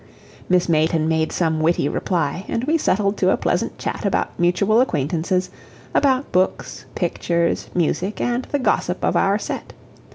Miss Mayton made some witty reply, and we settled to a pleasant chat about mutual acquaintances, about books, pictures, music, and the gossip of our set.